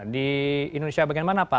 di indonesia bagaimana pak